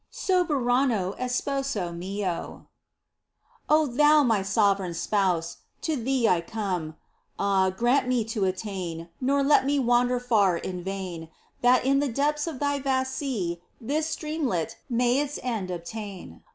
Soberano Esposo mío. Thou my sovereign Spouse ! To Thee 1 come. Ah, grant me to attain. Nor let me wander far in vain. That in the depths of Thy vast sea This streamlet may its end obtain